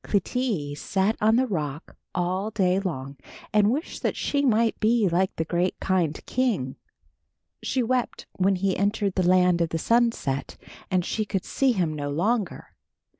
Clytie sat on the rock all day long and wished that she might be like the great kind king. She wept when he entered the land of the sunset and she could see him no longer.